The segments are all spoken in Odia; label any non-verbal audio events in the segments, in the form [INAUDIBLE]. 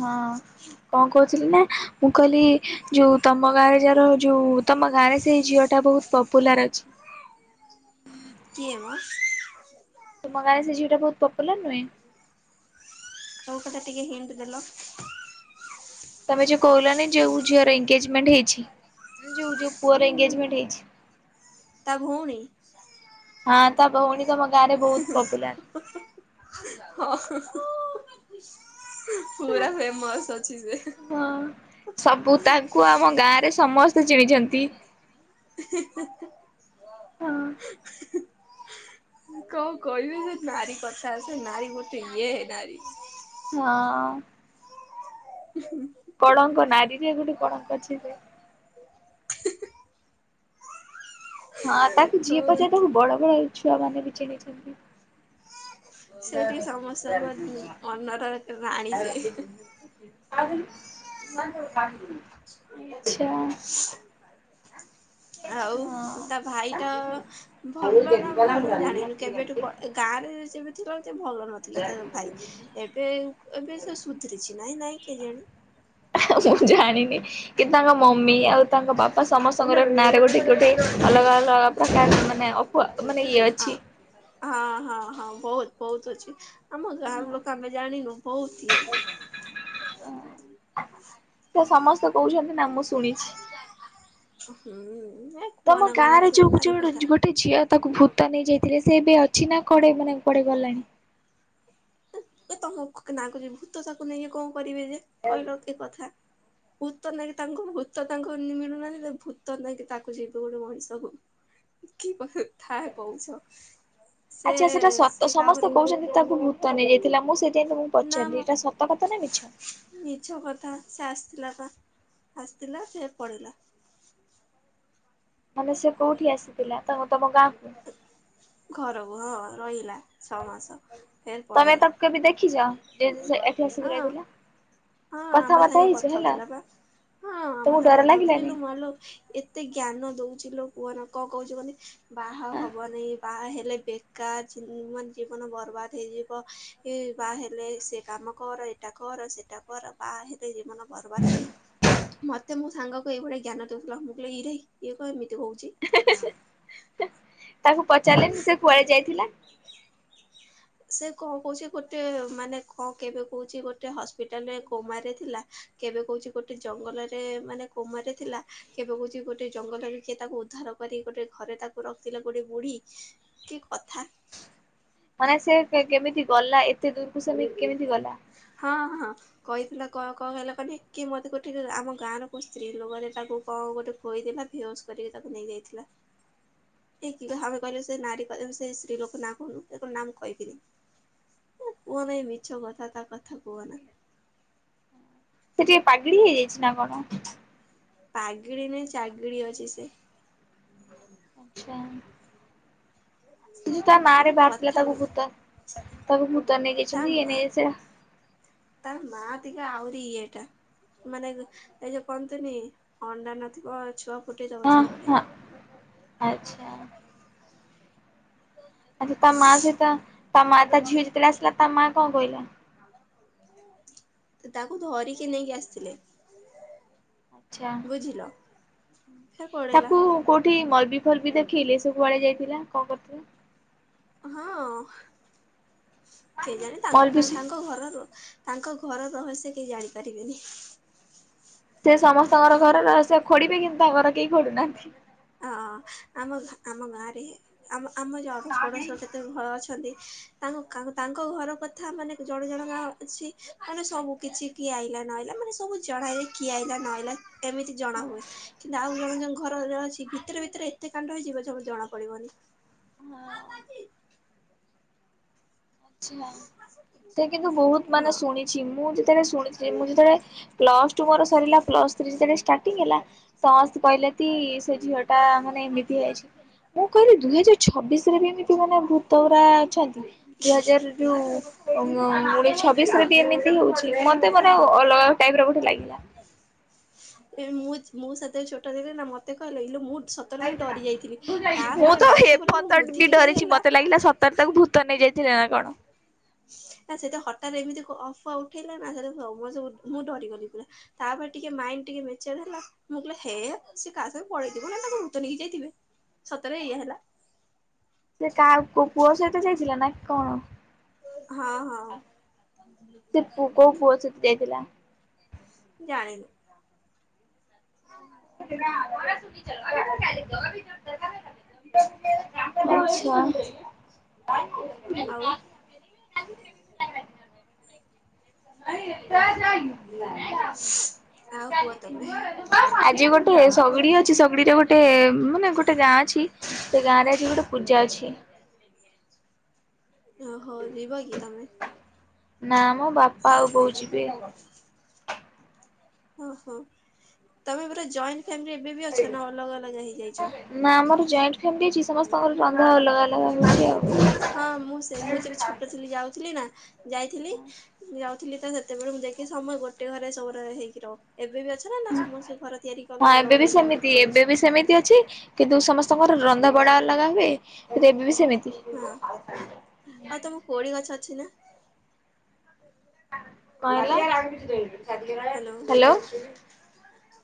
ହଁ। କଣ କହୁଥିଲି ନା ମୁଁ କହିଲି ଯଉ ତମ ଗାଁରେ ଯାର ଯଉ ତମ ଗାଁରେ ସେଇ ଝିଅଟା ବହୁତ ପପୁଲାର ଅଛି। କିଏ ମ? ତୁମ ଗାଁ ରେ ସେ ଝିଅଟା ବହୁତ ପପୁଲାର ନୁହେଁ। କୋଉ କଥା ଟିକେ ହିଣ୍ଟ ଦେଲ? ତମେ ଯୋଉ କହୁଲନି ଯୋଉ ଝିଅର ଏଙ୍ଗେଜମେଣ୍ଟ ହେଇଛି ଯୋଉ ଯୋଉ ଉଁ ପୁଅର ଏଙ୍ଗେଜମେଣ୍ଟ ହେଇଛି ତା ଭଉଣୀ। ହଁ ତା ଭଉଣୀ ତମ ଗାଁରେ ବହୁତ ପପୁଲାର ହୁଁ ହୁଁ। ପୁରା ଫେମସ୍ ଅଛି ସେ। ହଁ ସବୁ ତାଙ୍କୁ ଆମ ଗାଁରେ ସମସ୍ତେ ଚିଣିଛନ୍ତି। [UNINTELLIGIBLE] ହଁ। କଣ କହିବି ଯେ ନାରୀ କଥା ସେ ନାରୀ ଗୋଟେ ଏ ନାରୀ। ହଁ। କଳଙ୍କ ନାରୀରେ ଗୋଟେ କଣଙ୍କ ଅଛି ଜେ। ହଁ ତାକୁ ଯିଏ ହଁ। ପଚାରିଦବ ବଡ ଭାଈ ଛୁଆ ମାନେ ବି ଚିହ୍ନିଛନ୍ତି। ସେଠି ସମସ୍ତଙ୍କ ଅନର ରାଣୀ ସେ। ଛା [INAUDIBLE] ଆଉ ତା ଭାଇଟା ଭଲ ନା ଭଲ ଜାଣିନୁ କେବେଠୁ ଗାଁରେ ସେମିତି ରହୁଛି ଭଲ ନଥି ଥିଲା ତାର ଭାଇ ଏବେ ଏବେ ସେ ସୁଧୁରିଛି ନାଇଁ ନାଇଁ କେଜାଣି। ମୁଁ ଜାଣିନି। କି ତାଙ୍କ ମମି ଆଉ ତାଙ୍କ ବାପା ସମସ୍ତଙ୍କର ନାଁରେ ଗୋଟେ ଗୋଟେ ଅଲଗା ଅଲଗା ପ୍ରକାର ମାନେ ପ ମାନେ ଇଏ ଆ ଅଛି। ହଁ ହଁ ହଁ ବହୁତ ବହୁତ ଅଛି ଆମ ଗାଁର ଲୋକ ଆମେ ଜାଣିନୁ ବହୁତ ଇଏ ସେ ସମସ୍ତେ କହୁଛନ୍ତି ନା ମୁଁ ଶୁଣିଛି। ହୁଁ। ଉଁ ହେତ ତମ ଗାଁରେ ଯୋଉ ଯୋଉ ଗୋଟେ ଝିଅ ତାକୁ ଭୂତ ନେଇଯାଇଥିଲେ ସେ ଏବେ ଅଛି ନା କୁଆଡ଼େ ମାନେ କୁଆଡେ ଗଲାଣି? ଏ ତମ ନା କୁଛି ଭୂତ ତାକୁ ନେଇକି କଣ କରିବେ ଯେ କହିଲେ କି କଥା। ଭୂତ ନାଁକି ତାଙ୍କୁ ଭୂତ ତାଙ୍କୁ ଇନ୍ତି ମିଳୁନାଇଁ ଭୂତ ନେଇକି ତାକୁ ଯିବେ ଗୋଟେ ମଣିଷକୁ। କି ବ ଥା। [INAUDIBLE] ଆଛା ସେଟା ସେ ସତ କାହାକୁ ସମସ୍ତେ କହୁଛନ୍ତି ତାକୁ ଭୂ ତ ନେଇଯାଇଥିଲା ମୁଁ ସେଇଥିପାଇଁ ତମକୁ ନା ମ ପଚାରିଲି ଏଇଟା ସତ କଥା ନା ମିଛ। ମିଛ କଥା ସେ ଆସିଥିଲା ପା ଆସିଥିଲା ସେ ପଳେଇଲା। ମାନେ ସେ କୋଉଠି ଆସିଥିଲା ତ ତମ ଗାଁକୁ। ଘରକୁ ହଁ ରହିଲା ଛଅ ମାସ ଫେରେ ତମେ ପଳେଇଲା। ତାକୁ କେବେ ଦେଖିଛ ଯେ ସେ ଏଠି ଆସିକି ହଁ। ରହିଥିଲା। ହଁ ଆମ କଥାବାର୍ତ୍ତା ସାଙ୍ଗେ ହେଇଛ କଥା ହେଲା ହଉଥିଲା ପା ହଁ ଆମ ତମକୁ ସାଙ୍ଗେ ଡର କଥା ଲାଗିଲାନି? ହଉଥିଲା। ମାଲୋ ଏତେ ଜ୍ଞାନ ଦଉଛି ଲୋ କୁହନା କଣ କହୁଛି କୁହନି ବାହା ହବନାଇ ବା ହେଲେ ବେକାର ମାନ ଜୀବନ ବର୍ବାଦ ହେଇଯିବ ବା ହେଲେ ସେ କାମ କର ଏଇଟା କର ସେଇଟା କର ବା ହେଲେ ଜୀବନ ବରବାଦ ମତେ ମୁଁ ସାଙ୍ଗ କି ଏଇଭଳିଆ ଜ୍ଞାନ ଦଉଥିଲା ମୁଁ କଇଲି ଇରେ ଇଏ କଣ ଏମିତି ହଉଛି। ତାକୁ ପଚାରିଲେନି ସେ କୁଆଡେ ଯାଇଥିଲା? ସେ କଣ କହୁଛି ଗୋଟେ ମାନେ କଣ କେବେ କହୁଛି ଗୋଟେ ହସ୍ପିଟାଲରେ କୋମାରେ ଥିଲା। କେବେ କହୁଛି ଗୋଟେ ଜଙ୍ଗଲରେ ମାନେ କୋମାରେ ଥିଲା କେବେ କହୁଛି ଗୋଟେ ଜଙ୍ଗଲରେ କିଏ ତାକୁ ଉଦ୍ଧାର କରିକି ଗୋଟେ ଘରେ ତାକୁ ରଖିଥିଲା ଗୋଟେ ବୁଢ଼ୀ କି କଥା। ମାନେ ସେ କେମିତି ଗଲା ଏତେ ଦୂରକୁ ସେମିତି କେମିତି ଗଲା। ହଁ ହଁ। କହିଥିଲା କ କହିଲେ କହିଲେ କି ମତେ କୋଠିକି ଆମ ଗାଁ ର କୋଉ ସ୍ତ୍ରୀ ଲୋକରେଟାକୁ। କଣ ଗୋଟେ ଖୋଇଥିଲା ଭିଓଜ କରିକି ତାକୁ ନେଇ ଯାଇଥିଲା। ହ [INAUDIBLE] ଏ ଆମେ କହିଲେ ସେ ନାରୀ କ ସେ ଶତ୍ରୀଲୋକ ନାଁ କହୁନୁ ନାମ କହିହକିନି କୁହନାଇ ମିଛ କଥା ତା କଥା କୁହ ନା। ସେ ଟିକେ ପାାଗେଳି ହେଇଯାଇଛି ନା କଣ। ପାଗେଳି ନାଇ ଚାଗେଳି ଅଛି ସେ। ଆଚଛା। ସେ ଯ ତା ନାଁ ରେ ବାହାରିଥିଲା କଥା ତାକୁ କୁ ଭୂତ ତାକୁ ଭୂତନ ନେଇଯାଇଛନ୍ତି ଇଏ ନେଇଯାଇ ସେ ତାାର ମାତିଗ ଆରିିଇ ଏଟା। ମାନେ ଏ ଯଉ କନ୍ତୁନି ଅଣ୍ଡା ନଥିବ ଛୁଆ ଫୁଟେଇଦବ ହଁ ହଁ ସେଇଭଳିଆ। ଆଚ୍ଛା। ଆଚଛା ତା ମା ସହିତ ତା ମା ତା ଝିଅ ଯେତେବେଳେ ଆସିଲା ତା ମା କଣ କହିଲା। ତାକୁ ଧରିକି ନେଇକି ଆସିଥିଲେ। ଆଚଛା। ବୁଝିଲ ଫ ପଳେଇଲା। ସେଠି ମଲବି ଫଲବି ଦେଖେଇି ସବୁ ଆଆଡେ ଯାଇଥିଲା କଣ କରିଥିଲେ ହଁ କେ ଜାଣିେ ମଲବି ତାଙ୍କ ସେ ଘରରୁ ତାଙ୍କ ଘର ରହସ୍ୟ କେହି ଜାଣିପାରିବେନି। ସେ ସମସ୍ତଙ୍କର ଘର ସେ ଖୋଡିବେ କିନ୍ତୁ ତାଙ୍କର କେହି ଖୋଡୁନାହାନ୍ତି। ଅ ଆମ ଆମ ଗାଁରେ ଆମ ଆମ ଯଡ଼ପଡ଼ଶରତେ ଅଛନ୍ତି ତାଙ୍କ ତାଙ୍କ ଘର କଥା ମାନେ ଜଣେ ଜଣ ଗା ଅଛି ମାନେ ସବୁ କିଛି କିଏ ଆଇଲା ନହଇଲା ମାନେ ସବୁ ଜଣେଇଲେ କିଏ ଆଇଲା ନହଇଲା ଏମିତି ଜଣା ହୁଏ କିନ୍ତୁ ଆଉ ଜଣେ ଜ ଘରରେ ଅଛି ଭିତରେ ଭିତରେ ଏତେ କାଣ୍ଡ ହେଇଯିବ ଜଣୁ ଜଣା ପଡିବନି। ହଁ। ସେ କିନ୍ତୁ ବହୁତ ମାନେ ହଁ ଶୁଣି ମୁଁ ଯେତେବେଳେ ଶୁଣିଥିଲି ମୁଁ ଯେତେବେଳେ ପ୍ଲସ ଟୁ ମୋର ସରିଲା ପ୍ଲସ ଥ୍ରୀ ଯେତବେଳେ ସର୍ଟିଂ ହେଲା ସମସ୍ତେ କହିଲେ କି ସେ ଝିଅ ଟା ମାନେ ଏମିତି ଯାଇଛି ମୁଁ କହିଲି ଦୁଇ ହଜାର ଛବିଶ ରେ ବି ଏମିତି ମାନେ ଭୂତ ପରା ଅଛନ୍ତି ଦୁଇ ହଜାର ଯୋଉ ଗଣ ଛବିଶ ରେ ବି ଏମିତି ହଉଛି ମତେ ମାନେ ଅଲଗା ଟାଇପି ର ଗେଟେ ଲାଗିଲା। ମୁଁ ମୋ ସାଥି ଛୋଟ ଦେି ନା ମତେ କହିଲେଇ ମୁଁ ସତରେ ମୁଁ ଡରି ଯାଇଥିଲି ମୁଁ ତାପରେ ତ ବର୍ଷେ ପରେଲେ ମୋ ବୁଦ୍ଧି ଟିକିଏ ହେଲା। ତାର ତାକୁ ଭୂତ ନେଇ ଯାଇଥିଲା ନା କଣ। ଆ ସେଟା ହଠାତତ୍ ଏମିତି ଅଫୁଆ ଉଠେଇଲାଣି ସେ ସବୁ ମୁଁ ଡରିଗଲି ପୁରା। ତାପରେ ଟିକେ ମାଇଣ୍ଡି ଟିକେ ମେଚେଢ ହେଲା ମୁଁ କହିଲେ ହେ ସେ କାହା ସଙ୍ଗ ପଳେଇଥିବ ଭୁତ ନେଇକି ଯାଇଥିବେ। ସତରେ ଇଏ ହେଲା। ସେ କାହା ପୁଅ ସହିତ ଯାଇଥିଲା ନା କଣ। ହଁ ହଁ। ସେ କୋଉ ପୁଅ ସହିତ ଯାଇଥିଲା। ଜାଣିଲୁ। ହଁ [INAUDIBLE] ବି [UNINTELLIGIBLE] ଆଛା ଆଉ [INAUDIBLE] [INAUDIBLE] ହ [INAUDIBLE] ତ ନା ଆଉ କୁହ ତମେ [UNINTELLIGIBLE] ଆଜି ଗୋଟେ ସଗୁଡି ଅଛି ସଗୁଡିରେ ଗୋଟେ ମାନେ ଗୋଟେ ଗାଁ ଅଛି ସେ ଗାଁରେ ଆଜି ଗୋଟେ ପୂଜା ଅଛି। ଓ ହଉ ଯିବ କି ତମେ? ନା ମ ବାପା ଆଉ ବୋଉ ଯିବେ ଆଉ। ଓ ହୋ ତମେ ପୁର ଜଏଣ୍ଟ ଫ୍ୟାମିଲି ଏବେ ବି ଅଛ ନା ଅଲଗା ଅଲଗା ହେଇଯାଇଛ? ନା ଆମର ଜଏଣ୍ଟ ଫ୍ୟାମିଲି ଅଛି ସମସ୍ତଙ୍କର ରନ୍ଧା ଅଲଗା ଅଲଗା ହଉଛି ଆଉ। ହଁ ମୁଁ ସେ ମୁଁ ଯେବେ ଛୋଟ ଥିଲି ଯାଉଥିଲି ନା ଯାଇଥିଲି। ମୁଁ ଯାଉଥିଲି ତ ସେତେବେଳେ ମୁଁ ଯାଇକି ସମୟ ଗୋଟେ ଘରେ ସୋରେ ହେଇକି ରହ ଏବେ ବି ଅଛି। ନା ସମସ୍ତେ ଘର ତିଆରି ହଁ କଲେ ଅଲଗା ଏବେ ବି ଅଲଗା ସେମିତି ଜାଗାକୁ ଏବେ ବି ପଳେଇଛ। ସେମିତି ଅଛି କିନ୍ତୁ ସମସ୍ତଙ୍କର ରନ୍ଧା ବଡା ଅଲଗା ହୁଏ ଏବେ ବି ସେମିତି। ହଁ ଆଉ ତମକୁ କୋଳି ଗଛ ଅଛି ନା? Hello hello.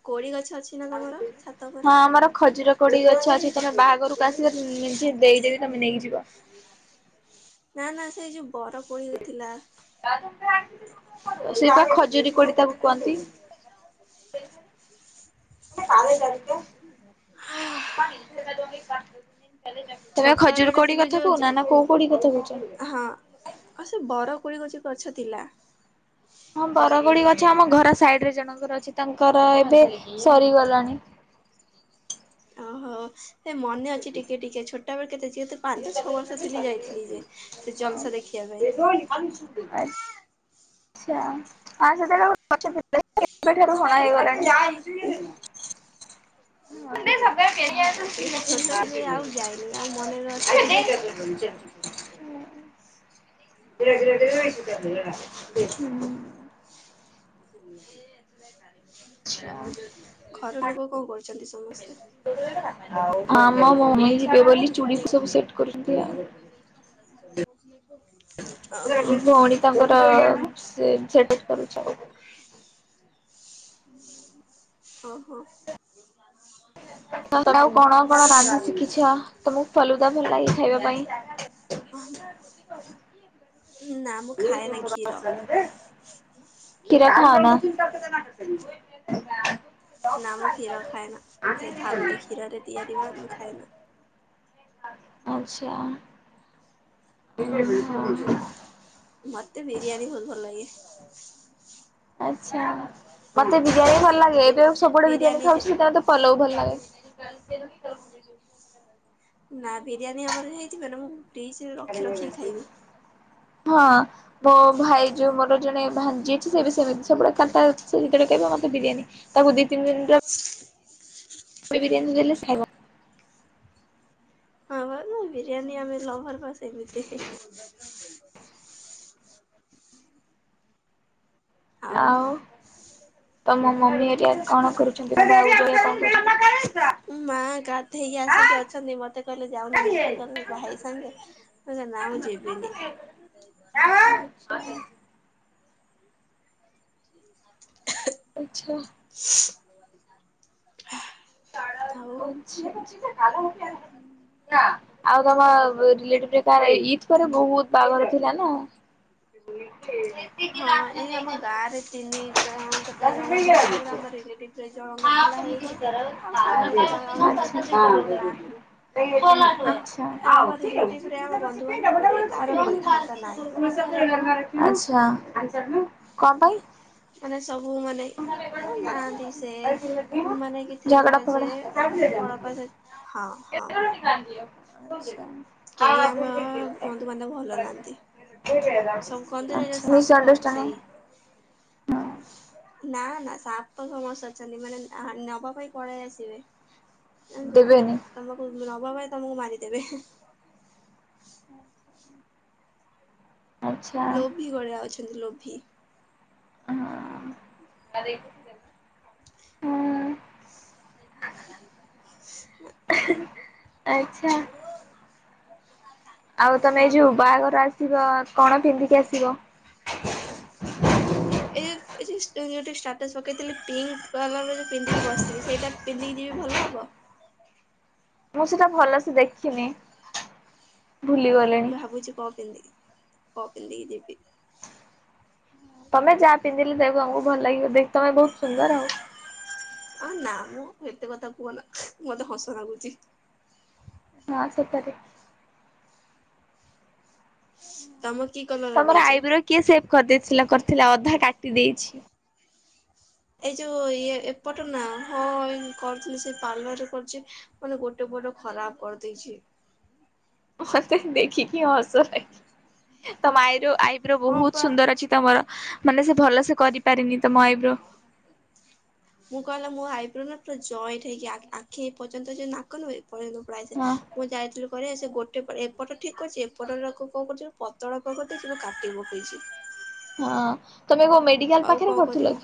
କୋଳି ଗଛ ଅଛି ନା ତମର ଛ ହଁ ଆମର ଖଜୁର କୋଳି ଗଛ ଅଛି ତମେ ବାହାଘରକୁ ଆସିବେ ନି ଦେଇଦେବି ତମେ ନେଇକି ଯିବ। ନା ନା ସେଇ ଯୋଉ ବର କୋଳି ଥିଲା। ସେ ପା ଖଜୁରୀ କୋଳି ତାକୁ କୁହନ୍ତି। ପା ଜଲି [UNINTELLIGIBLE] ହ [UNINTELLIGIBLE] ପା ଦ କା [UNINTELLIGIBLE] ତମେ ଛୋଟ ଖଜୁର ବେଳେ କୋଡି ଥିଲୁ କଥା ଯୋଉ କହୁନା ନା କୋଉ କୋଡିି କଥା କହୁଛ? ହଁ ଆଉ ସେ ବର କୋଳି ଗଛି ଗଛ ଥିଲା। ହଁ ବରଗୁଡି ଗଛ ଆମ ଘର ସାଇଡ ରେ ଜଣଙ୍କର ଅଛି ତାଙ୍କର ଏବେ ସରିଗଲାଣି। ହଁ ହେ ମନେ ଅଛି ଟିକେ ଟିକିଏ ଛୋଟବେଳ କେତେ ଯେତୁ ପାଞ୍ଚ ଛଅ ବର୍ଷ ଥିଲି ଯାଇଥିଲି ଯେ ସେ ଜଲସା ଦେଖିବା ପାଇଁ। ସେ କା [UNINTELLIGIBLE] ଭାଇ [UNINTELLIGIBLE] ଆ ସେବେଠାରୁ [UNINTELLIGIBLE] ହେଇଗଲାଣି ହଉ ସେତେ ଛୋଟ ଥିଲି ରି ଆଉ ଯାଇନି ଆଉ ମନରେ ଅଛି ନା। [UNINTELLIGIBLE] ରଗ ରରେ ର [UNINTELLIGIBLE] ଆଛା [UNINTELLIGIBLE] ଘର ଲୋକ କଣ କରୁଛନ୍ତି? ସମସ୍ତେ ହଁ ମୋ ମମି ଯିବେ ବୋଲି ଚୁଡ଼ିକୁ ସବୁ ସେଟ୍ କରୁଥିଲି ଆଉ। ଓହୋ। ଭଉଣୀ ତାଙ୍କର ସେ ସେଠ କରୁଛ ଓ ହୋ। ତ ଆଉ କଣ କଣ ରାନ୍ଧି ଶିଖିଛ ତମକୁ ଫଲୁଦା ଭଲ ଲାଗେ ଖାଇବା ପାଇଁ? ନା ମୁଁ ଖାଏ ନା କ୍ଷୀର। କ୍ଷୀର ଖାଅନା? ନା ମୁଁ କ୍ଷୀର ଖାଏନା ସେ ଫାଲୁଦ କ୍ଷୀରରେ ତିଆରି ବା ମୁଁ ଖାଏନା। ଆଚଛା। ଏ [UNINTELLIGIBLE] ମତେ ବିରିୟାନୀ ବହୁତ୍ ଭଲ ଲାଗେ। ଆଚ୍ଛା ମତେ ବିରିୟାନୀ ଭଲ ଲାଗେ ବିରି ଏବେ ସବୁବେଳେ ବିରିୟାନୀ ଯେ ଖାଉଛି ପଲଉ ଭଲ ଲାଗେ। ନା ବିରିୟାନୀ ଆମର ହେଇଥିବେ ନା ମୁଁ ଫ୍ରିଜରେ ରଖି ରଖିକି ଖାଇବି। ହଁ ମୋ ଭାଇ ଯୋଉ ମୋର ଜଣେ ଭ ଯଛି ସେ ସେମିତି ସବୁ ସେେ କହିବ ମତେ ବିରିୟାନୀ ତାକୁ ଦି ତିନି ଦିନ। ହ। ବିରିୟାନୀ ଧଲେ ଖାଇ। ହଁ ଭ ବିରିୟାନୀ ଆମେ ଲଭର ବାସ୍ ଏମିତି। [INAUDIBLE] ଆଉ ତମ ମମି ହେରିକା କଣ କରୁଛନ୍ତି? ମାଆ ଗାଧେଇକି ଆସିକି ଅଛନ୍ତି ମୋତେ କହିଲେ ଯାଉନୁ ମେଡ଼ିକାଲ ଭାଇ ସାଙ୍ଗେ। ନାଁ ମୁ ଯିବିନି। [INAUDIBLE] ଆଚ୍ଛା। [INAUDIBLE] [INAUDIBLE] ନା। ଆଉ ଆଉ ତମ ରିଲେଟିଭି ରେ କାହାର ଇଦ୍ ପରେ ବହୁତ ବାହାଘର ଥିଲା ନା? [INAUDIBLE] ହଁ, ଏଇ ଆମ ଗାଁ ରେ ତିନି ଜଣ କେତେ ଜଣଙ୍କ ଥିଲା, ତାପରେ ଆମ ରିଲେଟିଭ କେଇ ଜଣଙ୍କ ଥିଲା ହେଇଗଲା। ଆଉ କାହାର ଏତେ କାହାର ଆଉ ରିଲେଟିଭ [INAUDIBLE] କାହାର ଆଉ ନାହିଁ। ଆମ [INAUDIBLE] ଆମ ରିଲେଟିଭରେ ଆମ ବନ୍ଧୁବାନ୍ଧବରେ ଆଚ୍ଛା କାହାର କଥାବାର୍ତ୍ତା ନାହିଁ। କଣ ପାଇଁ? ମାନେ ସବୁ ମାନେ ନାହାନ୍ତି ସେ ମାନେ କି ଥିଲା ଝଗଡ଼ା ଯେ ଫଗଡ଼ା? ମାନେ ବଡ ପା ହଁ, ହଁ,। କେହି [UNINTELLIGIBLE] ଆମ ବନ୍ଧୁବାନ୍ଧବ ଭଲ ନାହାନ୍ତି। ଆଚ୍ଛା ସବୁ କହନ୍ତିନି ଯୋଉ ସାପ ମିସ୍ ସେଇ। ଅଣ୍ଡରଷ୍ଟାଣ୍ଡିଂ ନା ନା ସାପ ସମସ୍ତେ ଅଛନ୍ତି ମାନେ ନବା ପାଇଁ ପଲେଇ ଆସିବେ। ଜାଣିଛୁ ନା ଦେବେନି ତମକୁ ନବା ଭାଇ ତମକୁ ମାରିଦେବେ। ଆଚ୍ଛା। ଲୋଭି ଭଳିଆ ଅଛନ୍ତି ଲୋଭି। ହୁଁ,। [UNINTELLIGIBLE] ଆଚ୍ଛା। [UNINTELLIGIBLE] ଆଉ ତମେ ହଁ ଏ ଯୋଉ ପା। ବାହାଘର ଆସିବ କଣ ପିନ୍ଧିକି ଆସିବ? [INAUDIBLE] [INAUDIBLE] ଏ ଯୋଉ ଷ୍ଟାଟସ୍ ପକେଇଥିଲି ପିଙ୍କ କଲର ଯୋଉ ପିନ୍ଧିକି ବସିଥିଲି ସେଇଟା ପିନ୍ଧିକି ଯିବି ଭଲ ହବ। ମୁଁ ସେଟା ଭଲସେ ଦେଖିନି ଭୁଲିଗ ଭାବୁଛି କଣ ପିନ୍ଧିବି କଣ ପିନ୍ଧିକି ଯିବି? ତମେ ଯାହା ପିନ୍ଧିଲେ ସେଇଟା ତମକୁ ଭଲ ଲାଗିବ ଦେଖି ତମେ ବହୁତ ସୁନ୍ଦର ଆଉ। ଆ ନା ମ ଏତେ କଥା କୁହ ନା ମୁଁ ମତେ ହସ ଲାଗୁଛି। ହଁ, ସତରେ। ତମ କି କଲ ତମର ଆଇବ୍ରୋ କିଏ ସେଭ କରିଦେଇଥିଲା କରିଥିଲା ଅଧା କାଟି ଦେଇଛି? ଏଇ ଯଉ ଏପଟ ନା ହଁ ଏଇ କରୁଥିଲି ସେଇ ପାର୍ଲରରେ କରୁଛି। ମାନେ ଗୋଟେ ପଟ ଖରାପ କରିଦେଇଛି। ମତେ ଦେଖିକି ହସ ଲାଗି ତମ ଆଇର ଆଇବ୍ରୋ ହଁ ବୋହୁତ ପା ସୁନ୍ଦର ଅଛି ତମର। ମାନେ ସେ ଭଲ ସେ କରିପାରିନି ତମ ଆଇବ୍ରୋ। ମୁଁ କହିଲି ମୋ ଆଇବ୍ରୋ ପୁରା ଜଏଣ୍ଟ ହେଇକି ଆ-ଆଖି ପର୍ଯ୍ୟନ୍ତ ଯଉ ନାକ ନୁହେଁ ପଳେଇ ହଁ [UNINTELLIGIBLE] ମୁଁ ଯାଇଥିଲି କରିବାକୁ ସେ ଗୋଟେ ପ ଏପଟ ଠିକ୍ କରିଛି ଏପଟ ଉରା କ କଣ କରୁଛି ପତଳା ତ କରିଦେଇଛି ମ କାଟି ପକେଇଛି। ହଁ ତମେ କଣ ମେ ଆଉ କଣ କରିବି?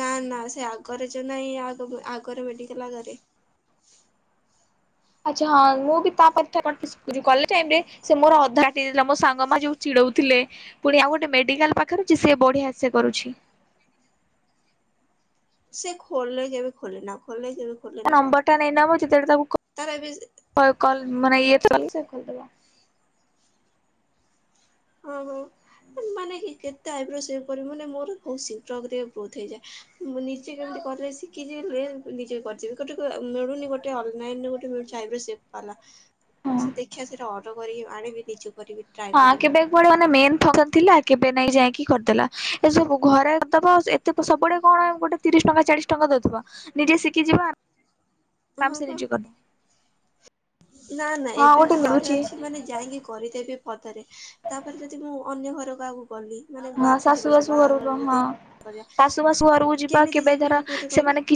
ନା, ନା ସେ ଆଗରେ ଯୋଉ ନାହିଁ ଆଗ ଆଗର ମେଡ଼ିକାଲ ଆଗରେ ଆଚ୍ଛା ହଁ ମୁଁ ବି ତାପରେ [UNINTELLIGIBLE] ଟାଇମ୍ ରେ ସେ ମୋର ଅଧା ଟି ଦେଲା ମୋ ସାଙ୍ଗ ମାନେ ଯୋଉ ଚିଡ଼ଉଥିଲେ ପୁଣି ଆଉ ଗୋଟେ ମେଡିକାଲ ପାଖରେ ଅଛି ସିଏ ବଢ଼ିଆ ସେ କରୁଛି। ସେ ଖୋଲେ କେବେ ଖୋଲେନା ଖୋଲେ କେବେ ଖୋଲେନା। ତା [UNINTELLIGIBLE] ନବୁ ଯେତେବେଳେ ତାକୁ କ ତାର ଏବେ କଲ୍ କଲ୍ ମାନେ ଇଏ ତ କଲେ ସିଏ ଖୋଲିଦେବେ। ହଁ ହୋଉ। ଏ ମାନେ କି କେତେ ଆଇବ୍ରୋ ସେଭ୍ କରିବୁ ମାନେ ମୋର ବହୁତ ଶୀଘ୍ର ବୋଧେ ଗ୍ରୋଥ୍ ହେଇଯାଏ। ମୁଁ ନିଜେ କେମିତି କରେ ଶିଖିଛିି ରେ ନିଜେ କରିଛିି ବି ଗୋଟେ [UNINTELLIGIBLE] ଆ ମିଳୁନି ଗୋଟେ ଅନଲାଇନରୁ ଗୋଟେ ମିଳୁଛି ଆାଇବ୍ରୋ ସେଭ୍। ପାଲା ହଁ। ସେ ଦେଖିବା ସେଟା ଅର୍ଡର କରିକି ଆଣିବି ନିଜେ କରିବି। ଟ୍ରାଏ ହଁ କରିବି କେବେ କୁଆଡ଼େ ମାନେ ମେନ୍ [UNINTELLIGIBLE] ଥିଲା କେବେ ନାଇଁ ଯାଇକି କରିଦେଲା, ଏ ସବୁ ଘରେ କରିଦବ ସେ ତେ ପ ସବୁ ଆଡ଼େ କଣ ଗୋଟେ ତିରିଶ ଟଙ୍କା ଚାଳିଶ ଟଙ୍କା ଦୋଉଥିବ, ନିଜେ ଶିଖି ଯିବ ହଁ ଆରାମ ସେ ପା। ନିଜେ କରି ଦବ। ନା ନା ଏବେ ଘରେ ଅଛି ମାନେ ଯାଇକି କରିଦେବି ପଦାରେ ତାପରେ ଯଦି ମୁଁ ଅନ୍ୟ ଘର କାହାକୁ ଗଲି। ମାନେ ବା ହଁ ଶାଶୁ ବୁଝିପାରୁଛ ଶାଶୁ ବାହାଘର ଘରକୁ ହଁ ଯଦି [INAUDIBLE] ଶାଶୁ ଶାଶୁ ଘରକୁ କରିବା ଯିବା କେମିତି କେବେ ଯିବି ଧର ଗୋଟେ କହିଲ। ସେମାନେ କି